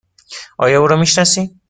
آیا او را می شناسی؟